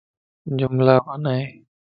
جملا بنائي